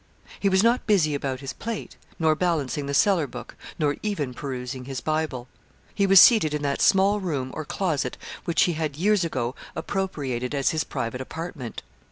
He was not busy about his plate, nor balancing the cellar book, nor even perusing his Bible. He was seated in that small room or closet which he had, years ago, appropriated as his private apartment.